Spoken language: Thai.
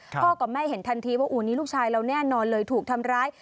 พ่อกับแม่เห็นทันทีว่าอู๋นี่ลูกชายเราแน่นอนเลยถูกทำร้าย